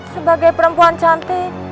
tidak perlu berhenti